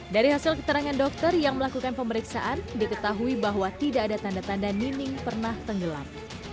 dari hasil keterangan dokter yang melakukan pemeriksaan diketahui bahwa tidak ada tanda tanda nining pernah tenggelam